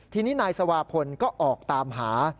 ทีนี้นายสวาพลก็ออกตามหา